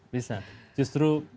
bisa dengan peta